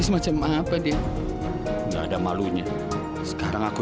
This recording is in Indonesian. pak minumnya pak